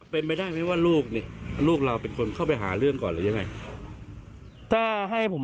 เป็นไปได้ไหมว่าลูกเนี่ยลูกเราเป็นคนเข้าไปหาเรื่องก่อนหรือยังไงถ้าให้ผม